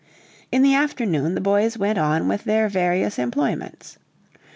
In the afternoon the boys went on with their various employments.